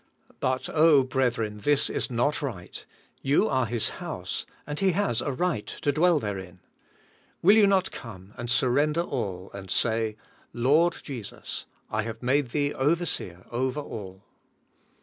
But oh, brethren, this is not right. You are His house, and He has a right to dwell therein. Will you not come and surren der all, and say, "Lord Jesus, I liave made Thee overseer over all?"